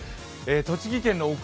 栃木県の奥